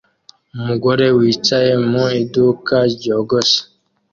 Umugabo wicaye mu iduka ryogosha